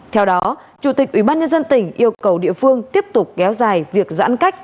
theo đó chủ tịch ủy ban nhân dân tỉnh yêu cầu địa phương tiếp tục kéo dài việc giãn cách